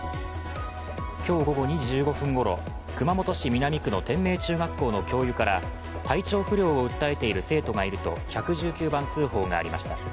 今日午後２時１５分ごろ熊本市南区の天明中学校の教諭から体調不良を訴えている生徒がいると１１９番通報がありました。